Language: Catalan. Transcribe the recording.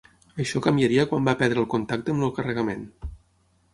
Això canviaria quan va perdre el contacte amb el carregament.